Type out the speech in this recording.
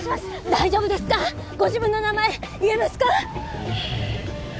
大丈夫ですか？ご自分の名前言えますか？